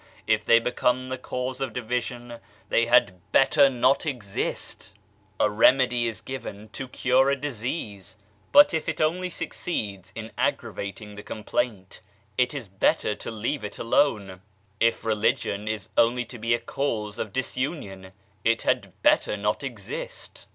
If they become the cause of division they had better not exist ! A remedy is given to cure a 112 PASTOR WAGNER'S CHURCH disease, but if it only succeeds in aggravating the complaint, it is better to leave it alone. If religion is only to be a cause of disunion it had better not exist.